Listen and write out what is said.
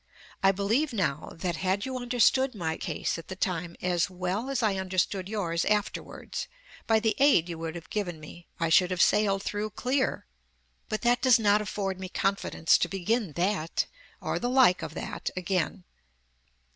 I believe now, that had you understood my case at the time as well as I understood yours afterwards, by the aid you would have given me I should have sailed through clear; but that does not afford me confidence to begin that, or the like of that, again."